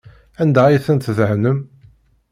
Anda ay tent-tdehnem?